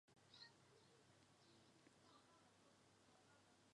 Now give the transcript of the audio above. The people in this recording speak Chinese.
最常用的是差速驱动控制。